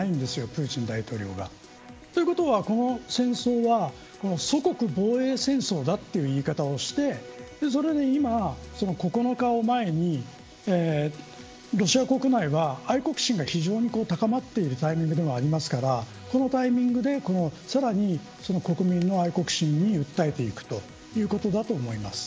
プーチン大統領が。ということは、この戦争は祖国防衛戦争だという言い方をしてそれで今、９日を前にロシア国内は愛国心が非常に高まっているタイミングではありますからこのタイミングで、さらに国民の愛国心に訴えていくということだと思います。